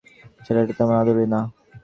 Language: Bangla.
ছেলেটা তেমন আদুরে না।